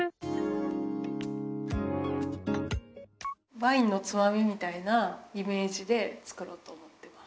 ワインのつまみみたいなイメージで作ろうと思ってます。